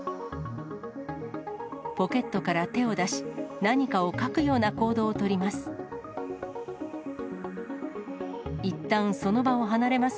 ポケットから手を出し、何かを書くような行動を取ります。